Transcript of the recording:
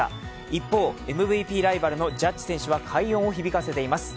一方、ＭＶＰライバルのジャッジ選手は快音を響かせています。